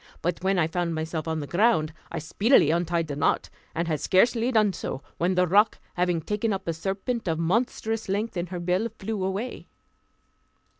But when I found myself on the ground, I speedily untied the knot, and had scarcely done so, when the roc, having taken up a serpent of a monstrous length in her bill, flew away.